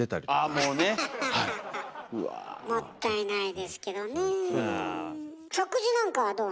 もったいないですけどねえ。